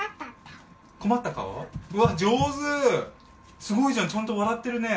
すごいじゃん、ちゃんと笑ってるね。